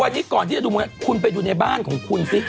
วันนี้ก่อนที่จะดูมวยคุณไปดูในบ้านของคุณซิ